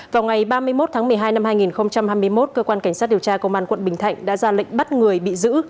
vào ngày ba mươi một tháng một mươi hai năm hai nghìn hai mươi một cơ quan cảnh sát điều tra công an quận bình thạnh đã ra lệnh bắt người bị giữ